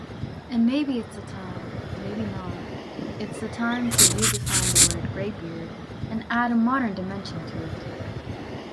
And maybe it's the time - maybe not, it's the time - to redefine the word "graybeard" and add a modern dimension to it